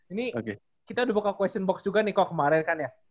ini kita udah buka question box juga nih kok kemarin kan ya